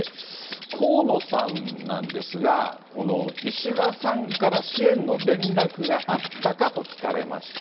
河野さんなんですが、石破さんから支援の連絡があったかと聞かれました。